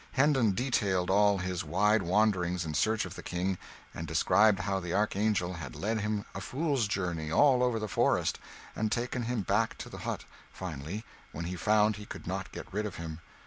Hendon detailed all his wide wanderings in search of the King, and described how the archangel had led him a fool's journey all over the forest, and taken him back to the hut, finally, when he found he could not get rid of him.